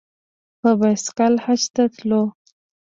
په بایسکل حج ته تللو.